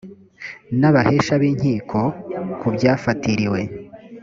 n’ abahesha b’ inkiko ku byafatiriwe